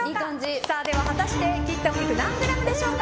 果たして、切ったお肉何グラムでしょうか。